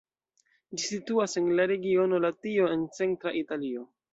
Ĝi situas en la regiono Latio en centra Italio.